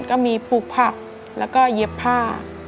ก็มีปลูกผักแล้วก็เย็บผ้า